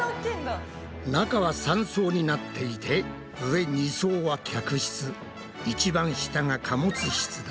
中は３層になっていて上２層は客室いちばん下が貨物室だ。